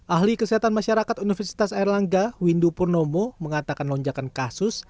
ahli kesehatan masyarakat universitas airlangga windu purnomo mengatakan lonjakan kasus